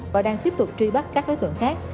và đang tiếp tục truy bắt các đối tượng khác